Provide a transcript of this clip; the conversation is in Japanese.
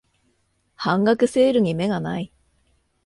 半額セールに目がない